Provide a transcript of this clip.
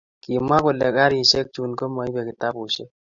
kimwa kole karisheck Chun komoipe kitabusheck